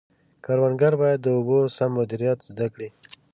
کروندګر باید د اوبو سم مدیریت زده کړي.